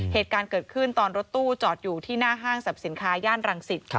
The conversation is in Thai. เหตุการณ์เกิดขึ้นตอนรถตู้จอดอยู่ที่หน้าห้างสรรพสินค้าย่านรังสิต